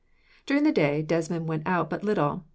During the daytime, Desmond went out but little.